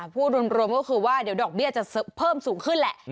พูดรวมก็คือว่าเดี๋ยวดอกเบี้ยจะเพิ่มสูงขึ้นแหละ